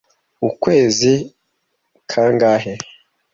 Ukwezi kangahe?